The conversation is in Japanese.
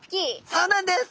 そうなんです。